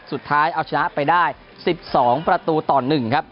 สุดท้ายเอาชนะไปได้๑๒ประตูต่อ๑ครับ